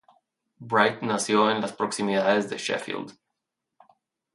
Bright nació en las proximidades de Sheffield.